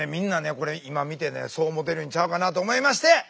これ今見てねそう思うてるんちゃうかなと思いまして！